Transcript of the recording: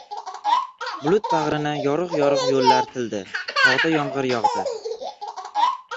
Bulut bag‘rini yorug‘-yorug‘ yo‘llar tildi — tog‘da yomg‘ir yog‘di.